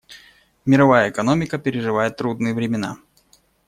Мировая экономика переживает трудные времена.